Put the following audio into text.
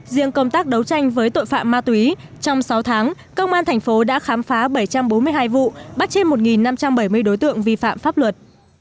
riêng công tác đấu tranh với tội phạm ma túy trong sáu tháng công an thành phố đã khám phá bảy trăm bốn mươi hai vụ bắt trên một năm trăm bảy mươi đối tượng vi phạm pháp luật